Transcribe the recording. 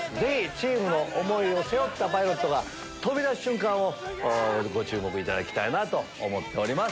チームの思いを背負ったパイロットが飛び出す瞬間をご注目いただきたいと思ってます。